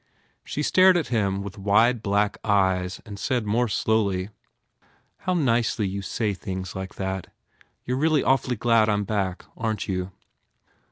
She stared at him with wide black eyes and said more slowly, "How nicely you say things like that. You re really awfully glad I m back, aren t you?"